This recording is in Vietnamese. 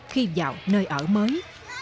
khi vào nơi ở mới